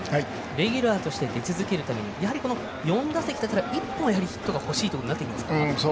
レギュラーとして出続けるために４打席立ったら１本ヒットが欲しいところですか。